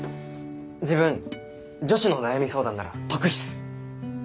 自分女子の悩み相談なら得意っす！